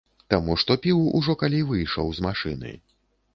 Таму што піў ужо калі выйшаў з машыны.